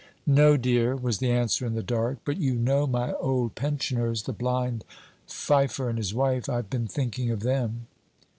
'No, dear,' was the answer in the dark; 'but you know my old pensioners, the blind fifer and his wife; I've been thinking of them.'